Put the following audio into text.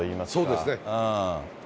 そうですね。